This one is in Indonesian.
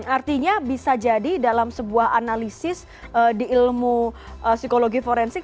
artinya bisa jadi dalam sebuah analisis di ilmu psikologi forensik